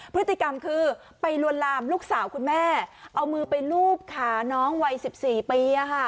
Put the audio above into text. พฤติกรรมคือไปลวนลามลูกสาวคุณแม่เอามือไปลูบขาน้องวัย๑๔ปี